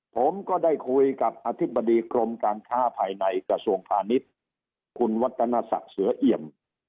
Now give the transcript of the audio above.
ผมก็ได้คุยกับอธิบดีกรมการค้าภายในกระทรวงพาณิชย์คุณวัฒนศักดิ์เสือเอี่ยม